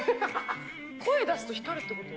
声出すと光るってこと？